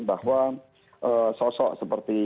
bahwa sosok seperti